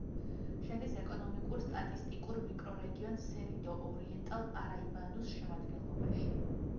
შედის ეკონომიკურ-სტატისტიკურ მიკრორეგიონ სერიდო-ორიენტალ-პარაიბანუს შემადგენლობაში.